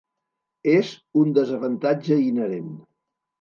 És un desavantatge inherent.